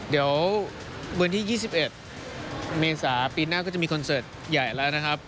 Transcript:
เดี๋ยววันที่๒๑เมษาปีหน้าก็จะมีคอนเสิร์ตใหญ่แล้วนะครับ